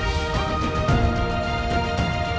ketika mengambil alihkan keamanan